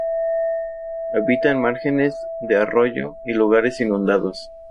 Habita en márgenes de arroyos y lugares inundados.